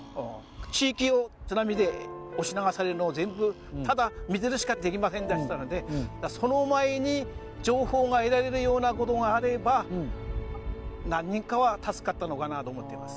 地域が津波で押し流されるのを全部、ただ見てるしかできませんでしたので、その前に情報が得られるようなことがあれば、何人かは助かったのかなと思ってます。